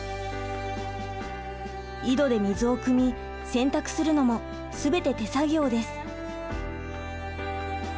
井戸で水をくみ洗濯するのもすべて手作業です。